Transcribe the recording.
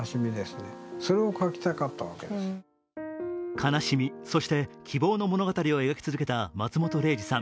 悲しみ、そして希望の物語を描き続けた松本零士さん。